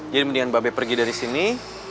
jadi mendingan mbak b pergi dari sini